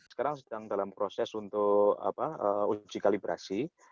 sekarang sedang dalam proses untuk uji kalibrasi